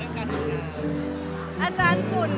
โดยทำให้แสดงที่นี่อะ